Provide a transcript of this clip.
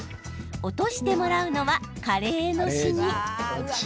落としてもらうのはカレーのしみ。